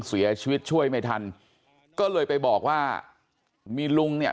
เสียชีวิตช่วยไม่ทันก็เลยไปบอกว่ามีลุงเนี้ย